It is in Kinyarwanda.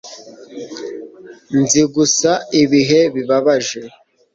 nzi gusa ibihe bibabaje